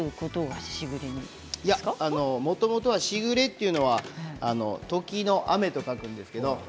もともとしぐれというのは時の雨と書きます。